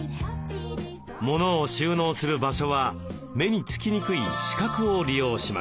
モノを収納する場所は目につきにくい死角を利用しました。